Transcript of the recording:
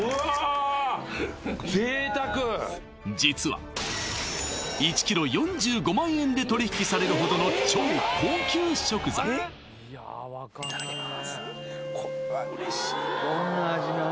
実は１ｋｇ４５万円で取り引きされるほどの超高級食材いただきまー